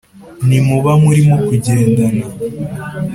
nimuba murimo kugendana